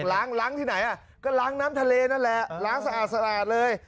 ล้างล้างที่ไหนก็ล้างน้ำทะเลนั่นแหละล้างสะอาดเลย